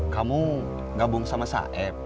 kamu gabung sama saeb